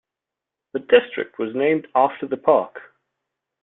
The district was named after the park.